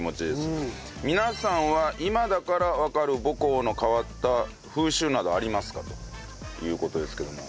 皆さんは今だからわかる母校の変わった風習などありますか？という事ですけども。